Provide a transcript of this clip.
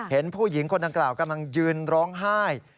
เห็นผู้หญิงคนดังกล่าวกำลังยืนร้องไห้